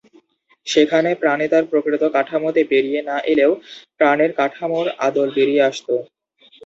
সেখানে প্রাণী তার প্রকৃত কাঠামোতে বেরিয়ে না এলেও প্রাণীর কাঠামোর আদল বেরিয়ে আসতো।